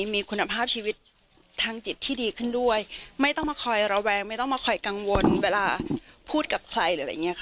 มีคุณภาพชีวิตทางจิตที่ดีขึ้นด้วยไม่ต้องมาคอยระวังไม่ต้องมาคอยกังวลเวลาพูดกับใคร